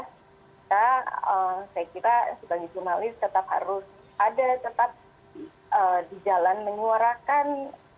kita saya kira sebagai jurnalis tetap harus ada tetap di jalan menyuarakan